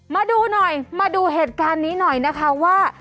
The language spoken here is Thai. มาดูหน่อยมาดูเหตุการณ์นี้หน่อยนะคะว่า